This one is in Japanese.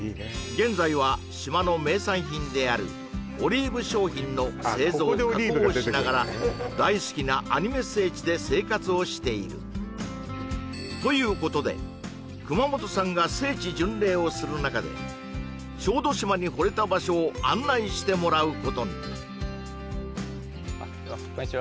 現在は島の名産品であるオリーブ商品の製造・加工をしながらということで熊本さんが聖地巡礼をする中で小豆島にほれた場所を案内してもらうことにこんにちは